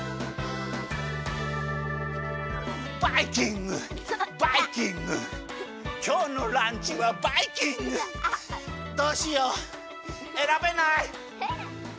「バイキングバイキング」「きょうのランチはバイキング」どうしようえらべない。